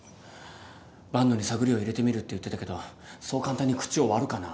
万野に探りを入れてみるって言ってたけどそう簡単に口を割るかな。